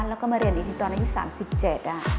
แล้วก็มาเรียนอีกทีตอนอายุ๓๗